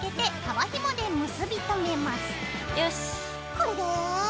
これで。